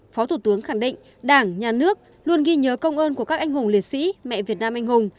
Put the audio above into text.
phó thủ tướng khẳng định đảng nhà nước luôn ghi nhớ công ơn của các anh hùng liệt sĩ mẹ việt nam anh hùng